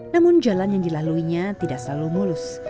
namun jalan yang dilaluinya tidak selalu mulus